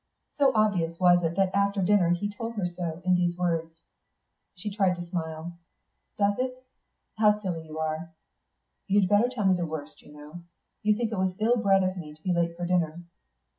So obvious was it that after dinner he told her so, in those words. She tried to smile. "Does it? How silly you are." "You'd better tell me the worst, you know. You think it was ill bred of me to be late for dinner."